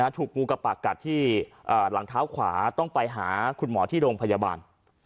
ถูกงูกระปากกัดที่หลังเท้าขวาต้องไปหาคุณหมอที่โรงพยาบาล